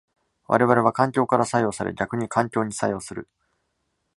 我々は環境から作用され逆に環境に作用する。